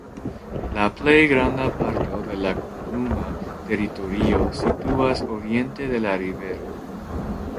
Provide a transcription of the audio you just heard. La plej granda parto de la komunuma teritorio situas oriente de la rivero.